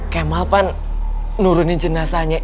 kemah kan nurunin jenazahnya